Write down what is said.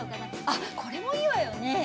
あっこれもいいわよね。